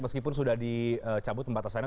meskipun sudah dicabut pembatasannya